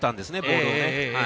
ボールを。